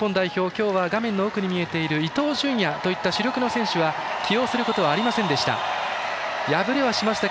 今日は画面の奥に見えている伊東純也といった主力の選手は起用することはありませんでした。